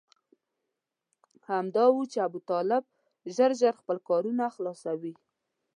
همدا و چې ابوطالب ژر ژر خپل کارونه خلاصوي.